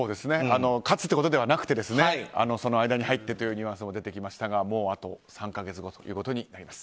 勝つっていうことではなくてその間に入ってというニュアンスも出てきましたがもうあと３か月ごとなります。